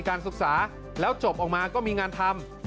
การศึกษาแล้วจบออกมาก็มีงานทำ